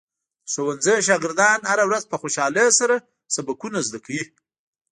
د ښوونځي شاګردان هره ورځ په خوشحالۍ سره سبقونه زده کوي.